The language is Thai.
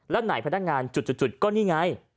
แล้วไหนพนักงานจุดก็นี่ไง